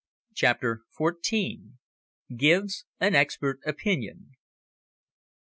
CHAPTER FOURTEEN. GIVES AN EXPERT OPINION.